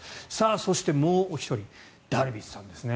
そして、もう１人ダルビッシュさんですね。